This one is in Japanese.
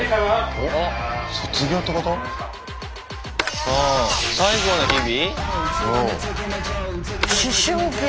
おお最後の日々？